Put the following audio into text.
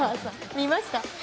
見ました？